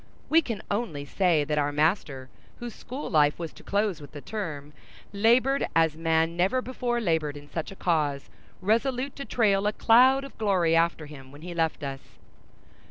We can only say that our master, whose school life was to close with the term, labored as man never before labored in such a cause, resolute to trail a cloud of glory after him when he left us.